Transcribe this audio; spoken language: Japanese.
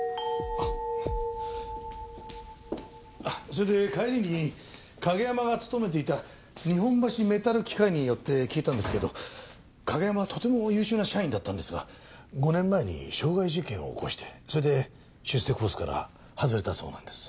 それで帰りに景山が勤めていた日本橋メタル機械に寄って聞いたんですけど景山はとても優秀な社員だったんですが５年前に傷害事件を起こしてそれで出世コースから外れたそうなんです。